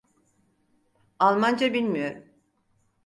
Almanca bilmiyorum.